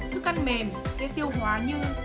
thức ăn mềm sẽ tiêu hóa như